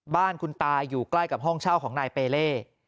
บ้านคุณตาอยู่ใกล้กับห้องเช่าของนายเปเล่